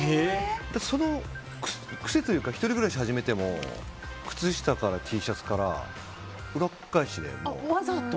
その癖というか１人暮らしを始めても靴下からＴシャツから裏っ返しで、もう。